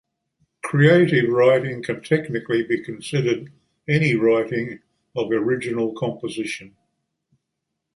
Creative writing can technically be considered any writing of original composition.